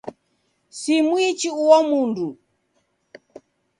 Simwichi uo mndu.